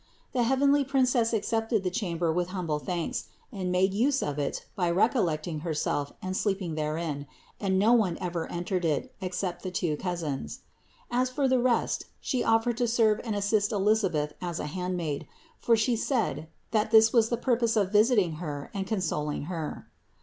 The heavenly Princess ac cepted the chamber with humble thanks, and made use of it for recollecting Herself and sleeping therein, and no one ever entered it, except the two cousins. As for the rest She offered to serve and assist Elisabeth as a handmaid, for She said, that this was the purpose of visiting her and consoling her.